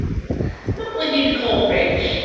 Not what you'd call rich.